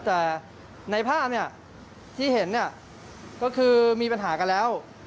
แต่ในภาพที่เห็นก็คือมีปัญหากันแล้ว